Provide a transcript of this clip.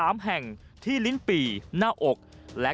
มันกลับมาแล้ว